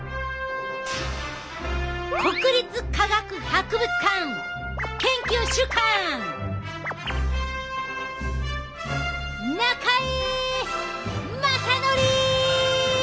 国立科学博物館研究主幹中江雅典！